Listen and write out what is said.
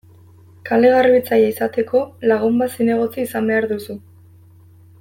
Kale-garbitzaile izateko, lagun bat zinegotzi izan behar duzu.